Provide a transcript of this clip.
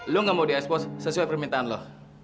lo gak mau di ekspo sesuai permintaan lo